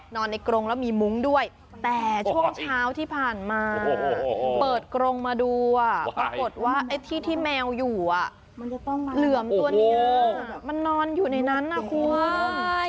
นอนในกรงแล้วมีมุ้งด้วยแต่ช่วงเช้าที่ผ่านมาเปิดกรงมาดูปรากฏว่าไอ้ที่ที่แมวอยู่เหลือมตัวนี้มันนอนอยู่ในนั้นนะคุณ